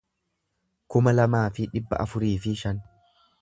kuma lamaa fi dhibba afurii fi jaatamii shan